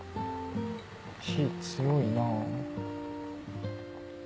火強いなぁ。